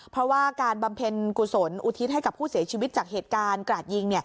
เพราะว่าการบำเพ็ญกุศลอุทิศให้กับผู้เสียชีวิตจากเหตุการณ์กราดยิง